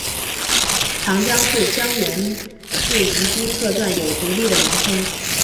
长江自江源至宜宾各段有独立的名称。